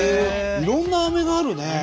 いろんなアメがあるね！